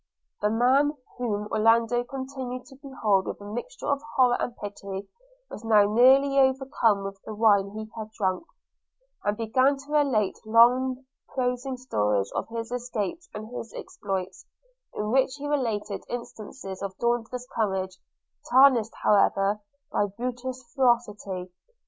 The man, whom Orlando continued to behold with a mixture of horror and pity, was now nearly overcome with the wine he had drank, and began to relate long prosing stories of his escapes and his exploits, in which he related instances of dauntless courage, tarnished however by brutish ferocity.